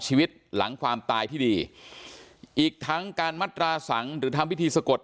ชีวิตหลังความตายที่ดีอีกทั้งการมัตราสังหรือทำพิธีสะกด